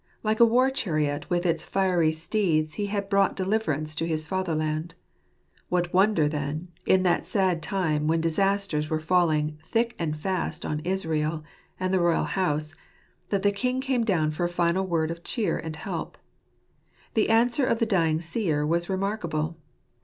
Like a war chariot with its fiery steeds he had brought deliver ance to his fatherland. What wonder then, in that sad time when disasters were falling thick and fast on Israel and the royal house, that the king came down for a final word of cheer and help. The answer of the dying seer was remarkable.